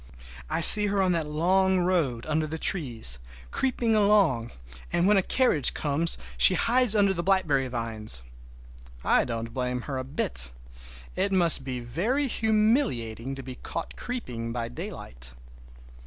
I see her on that long road under the trees, creeping along, and when a carriage comes she hides under the blackberry vines. I don't blame her a bit. It must be very humiliating to be caught creeping by daylight!